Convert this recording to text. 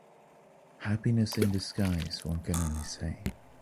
Happiness in disguise, one can only say.